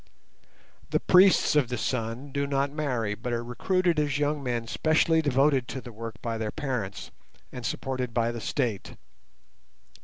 The priests of the Sun do not marry, but are recruited as young men specially devoted to the work by their parents and supported by the State.